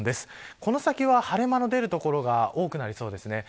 この先は晴れ間の出る所が多くなりそうです。